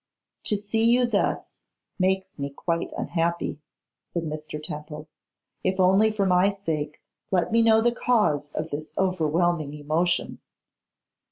'To see you thus makes me quite unhappy,' said Mr. Temple; 'if only for my sake, let me know the cause of this overwhelming emotion.